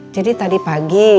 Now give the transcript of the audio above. jadi tadi pagi